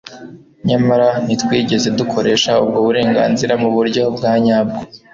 nyamara ntitwigeze dukoresha ubwo burenganzira muburyo bwanyabwo